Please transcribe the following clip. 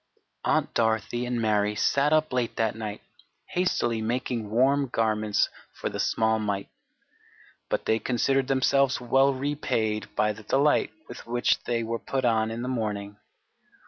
Aunt Dorothy and Mary sat up late that night hastily making warm garments for the small mite; but they considered themselves well repaid by the delight with which they were put on in the morning.